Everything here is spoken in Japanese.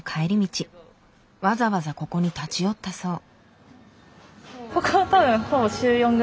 わざわざここに立ち寄ったそう。